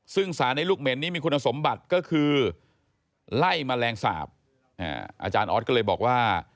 ซึ่งสารในลูกเหม็นนี้มีคุณสมบัติก็คือไล่แมลงสาปอาจารย์ออสก็เลยบอกว่า